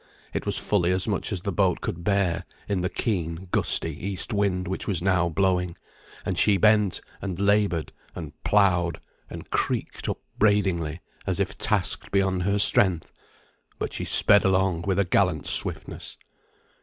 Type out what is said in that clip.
It was fully as much as the boat could bear, in the keen, gusty east wind which was now blowing, and she bent, and laboured, and ploughed, and creaked upbraidingly as if tasked beyond her strength; but she sped along with a gallant swiftness.